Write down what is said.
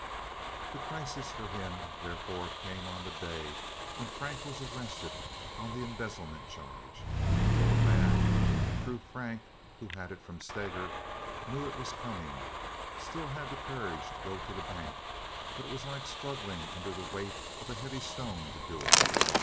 The crisis for him therefore came on the day when Frank was arrested on the embezzlement charge. The old man, through Frank, who had it from Steger, knew it was coming, still had the courage to go to the bank but it was like struggling under the weight of a heavy stone to do it.